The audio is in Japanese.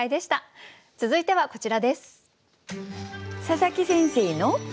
続いてはこちらです。